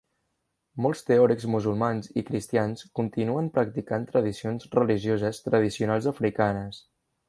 Molts teòrics musulmans i cristians continuen practicant tradicions religioses tradicionals africanes.